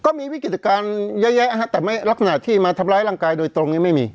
ก็มีวิกฤตการณ์เยอะแยะแต่ลักษณะที่มาทำร้ายร่างกายโดยตรงนี้ไม่มี